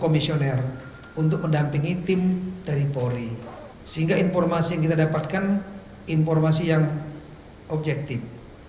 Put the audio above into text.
komisioner untuk mendampingi tim dari polri sehingga informasi yang kita dapatkan informasi yang objektif